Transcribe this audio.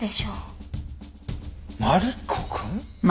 マリコくん！？